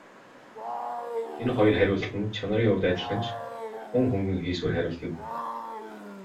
Энэ хоёр хариулт нь чанарын хувьд адилхан ч тун хөнгөн хийсвэр хариулт юм.